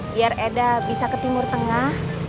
biar eda bisa ke timur tengah